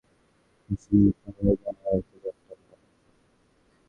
জি, বাবা।